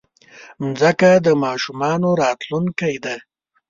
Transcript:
مځکه د ماشومانو راتلونکی ده.